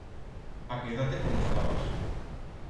Pa quedar-te como estabas.